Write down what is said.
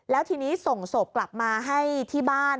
แล้วทีนี้ส่งศพกลับมาให้ที่บ้าน